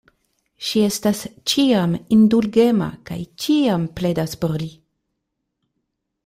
Ŝi estas ĉiam indulgema, kaj ĉiam pledas por li.